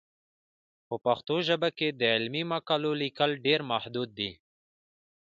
په پښتو ژبه د علمي مقالو لیکل ډېر محدود دي.